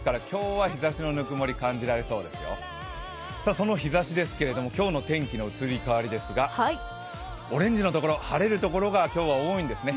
その日ざしですけど今日の天気の移り変わりですがオレンジの所、晴れる所が今日は多いんですね。